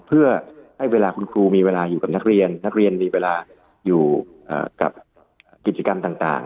เพื่อให้เวลาคุณครูมีเวลาอยู่กับนักเรียนนักเรียนมีเวลาอยู่กับกิจกรรมต่าง